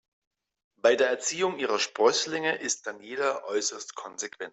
Bei der Erziehung ihrer Sprösslinge ist Daniela äußerst konsequent.